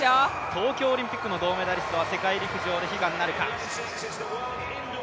東京オリンピックの銅メダリストは世界陸上で悲願なるか。